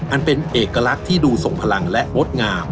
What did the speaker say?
อันเป็นเอกลักษณ์ที่ดูส่งพลังและงดงาม